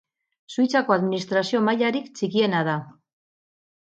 Suitzako administrazio mailarik txikiena da.